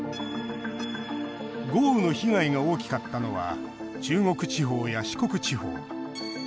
豪雨の被害が大きかったのは中国地方や四国地方。